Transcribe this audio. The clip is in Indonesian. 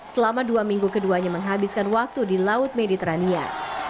selama dua minggu keduanya menghabiskan waktu di laut mediterania